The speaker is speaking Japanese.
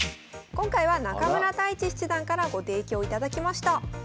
今回は中村太地七段からご提供いただきました。